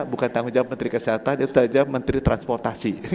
bukan tanggung jawab menteri kesehatan itu saja menteri transportasi